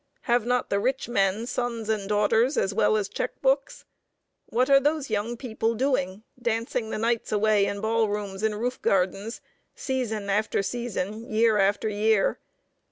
Have not the rich men sons and daughters, as well as check books? What are those young people doing, dancing the nights away in ballrooms and roof gardens, season after season, year after year?